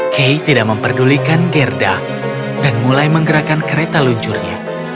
kay tidak memperdulikan gerda dan mulai menggerakkan kereta luncurnya